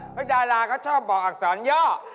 เพราะดาราเขาชอบบอกอักษรย่อ